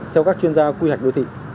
theo các chuyên gia quy hạch đối thị